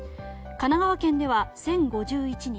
神奈川県では１０５１人